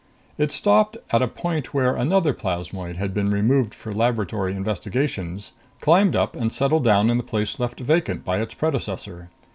It stopped at a point where another plasmoid had been removed for laboratory investigations, climbed up and settled down in the place left vacant by its predecessor.